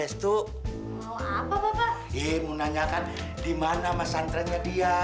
sampai jumpa di video selanjutnya